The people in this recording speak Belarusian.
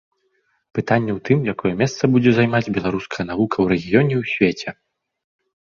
Пытанне ў тым, якое месца будзе займаць беларуская навука ў рэгіёне і ў свеце.